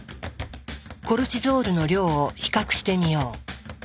コルチゾールの量を比較してみよう。